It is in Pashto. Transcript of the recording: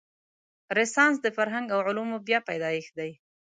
رنسانس د فرهنګ او علومو بیا پیدایښت دی.